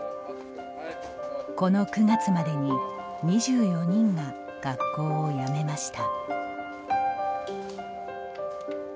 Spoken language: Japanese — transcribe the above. この９月までに２４人が学校をやめました。